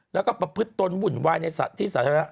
แล้วก็ประพฤติตนบุ่นวายในที่สาธารณะ